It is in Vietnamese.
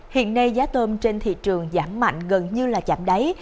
hiện nay giá tôm trên thị trường giảm mạnh gần như là giảm đáy